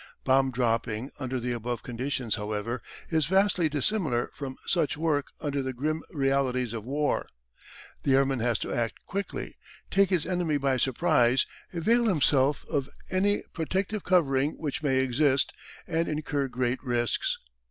Bomb dropping under the above conditions, however, is vastly dissimilar from such work under the grim realities of war. The airman has to act quickly, take his enemy by surprise, avail himself of any protective covering which may exist, and incur great risks.